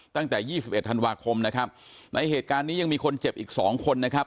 ตั้งแต่ยี่สิบเอ็ดธันวาคมนะครับในเหตุการณ์นี้ยังมีคนเจ็บอีกสองคนนะครับ